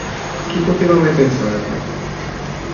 Chi poteva mai pensarlo?